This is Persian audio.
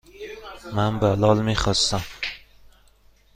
من بلال میخواستم.